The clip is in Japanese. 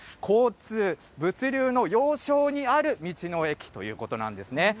交通、物流の要衝にある道の駅ということなんですね。